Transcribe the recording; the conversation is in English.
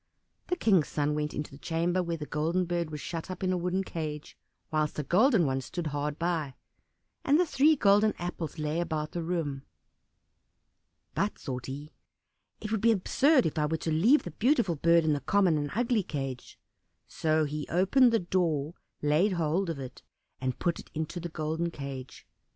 The King's son went into the chamber where the Golden Bird was shut up in a wooden cage, whilst a golden one stood hard by; and the three golden apples lay about the room. "But," thought he, "it would be absurd if I were to leave the beautiful bird in the common and ugly cage," so he opened the door, laid hold of it, and put it into the golden cage.